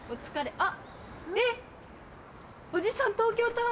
あっ！